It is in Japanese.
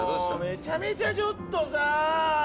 めっちゃめちゃちょっとさ。